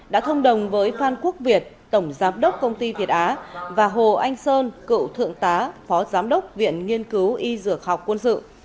đã thông đồng với phan quốc việt tổng giám đốc công ty việt á và hồ anh sơn cựu thượng tá phó giám đốc viện nghiên cứu y dược học quân sự